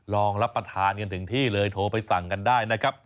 ลองรับประทานกันถึงที่เลยโทรไปสั่งกันได้นะครับ